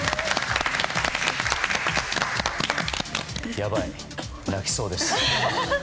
やばい泣きそうです。